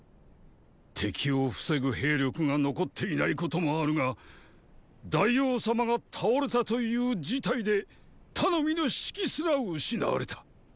敵を防ぐ兵力が残っていないこともあるが大王様が倒れたという事態で頼みの士気すら失われた。